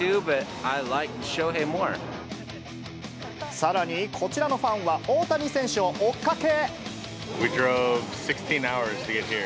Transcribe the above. さらに、こちらのファンは、大谷選手を追っかけ。